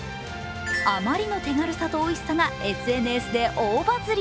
あまりの手軽さとおいしさがＳＮＳで大バズり。